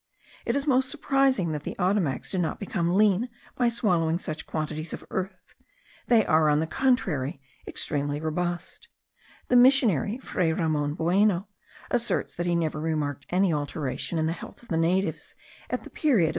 It is most surprising that the Ottomacs do not become lean by swallowing such quantities of earth: they are, on the contrary, extremely robust. The missionary Fray Ramon Bueno asserts that he never remarked any alteration in the health of the natives at the period of the great risings of the Orinoco.